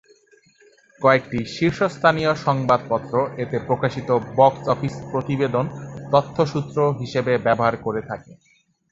কয়েকটি শীর্ষস্থানীয় সংবাদপত্র এতে প্রকাশিত বক্স অফিস প্রতিবেদন তথ্যসূত্র হিসেবে ব্যবহার করে থাকে।